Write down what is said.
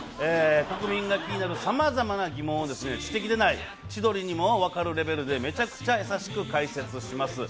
国民が気になるさまざまな疑問を知的ではない千鳥にも分かるレベルでめちゃくちゃ優しく解説します。